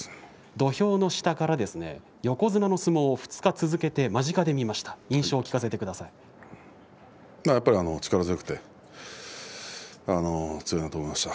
土俵の下から横綱の相撲を２日続けて間近で見ました。